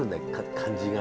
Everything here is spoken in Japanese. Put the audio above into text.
感じが。